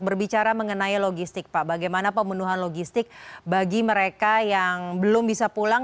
berbicara mengenai logistik pak bagaimana pemenuhan logistik bagi mereka yang belum bisa pulang